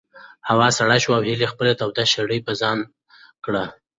هوا سړه شوه او هیلې خپله توده شړۍ په ځان کړه.